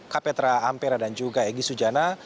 kapetra ampera dan juga egy sujana